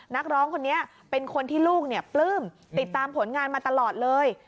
นักร้องคนนี้เป็นคนที่ลูกปลื้มติดตามผลงานมาตลอดเลย